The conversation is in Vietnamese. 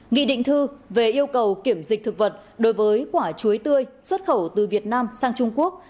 hai mươi nghi định thư về yêu cầu kiểm dịch thực vật đối với quả chuối tươi xuất khẩu từ việt nam sang trung quốc